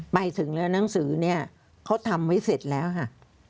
ไปถึงแล้วหนังสือเนี่ยเขาทำไว้เสร็จแล้วค่ะ